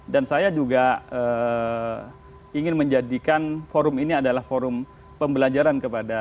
dan saya juga ingin menjadikan forum ini adalah forum pembelajaran kepada